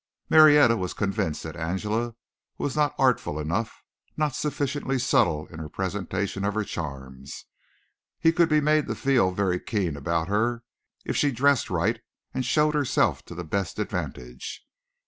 Marietta was convinced that Angela was not artful enough not sufficiently subtle in her presentation of her charms. He could be made to feel very keen about her if she dressed right and showed herself to the best advantage.